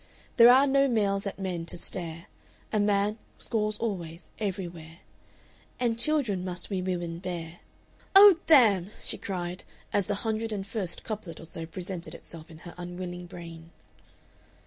"There are no males at men to stare; A man scores always, everywhere. "And children must we women bear "Oh, damn!" she cried, as the hundred and first couplet or so presented itself in her unwilling brain.